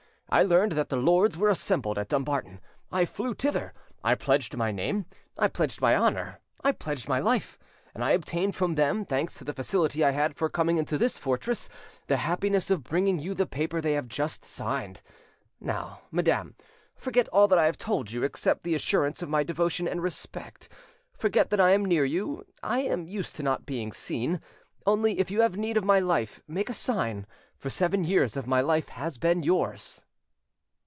I learned that the lords were assembled at Dumbarton: I flew thither. I pledged my name, I pledged my honour, I pledged my life; and I obtained from them, thanks to the facility I had for coming into this fortress, the happiness of bringing you the paper they have just signed. Now, madam, forget all I have told you, except the assurance of my devotion and respect: forget that I am near you; I am used to not being seen: only, if you have need of my life, make a sign; for seven years my life has been yours."